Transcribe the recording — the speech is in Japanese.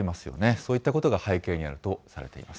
そういったことが背景にあるとされています。